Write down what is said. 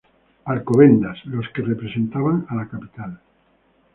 Alcobendas los que representaban a la capital.